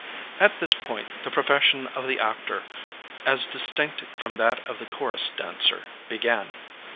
At this point the profession of the actor, as distinct from that of the chorus dancer, began.